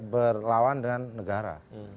berlawan dengan negara